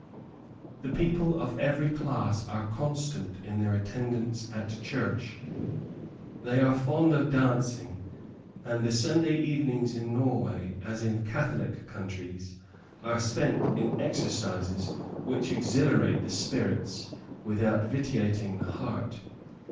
The people of every class are constant in their attendance at church; they are very fond of dancing, and the Sunday evenings in Norway, as in Catholic countries, are spent in exercises which exhilarate the spirits without vitiating the heart.